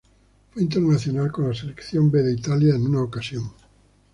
Fue internacional con la selección B de Italia en una ocasión.